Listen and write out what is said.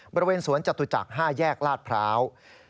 บริเวณสวนจตุจักร๕แยกลาดพร้าว